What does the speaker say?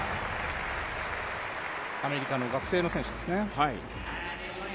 アメリカの学生の選手ですね。